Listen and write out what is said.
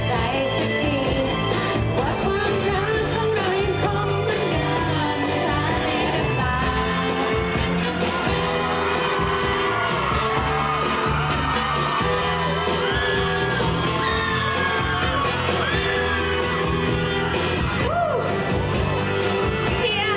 ใจเธอนั้นจะไม่ได้เปลี่ยนไป